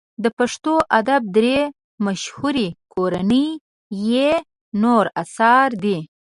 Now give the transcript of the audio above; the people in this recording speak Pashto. د پښتو ادب درې مشهوري کورنۍ یې نور اثار دي.